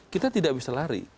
kita tidak bisa lari